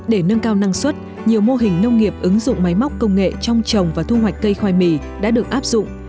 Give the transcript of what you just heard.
để nâng cao năng suất nhiều mô hình nông nghiệp ứng dụng máy móc công nghệ trong trồng và thu hoạch cây khoai mì đã được áp dụng